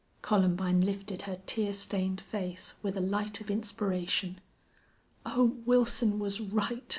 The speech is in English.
Columbine lifted her tear stained face with a light of inspiration. "Oh, Wilson was right!"